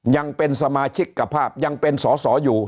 ยังเป็นสมาชิกกภาพยังเป็นสอสออยู่